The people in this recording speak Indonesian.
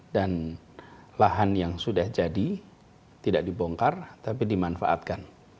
dan lahan yang sudah jadi tidak dibongkar tapi dimanfaatkan